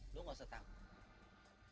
lo gak usah takut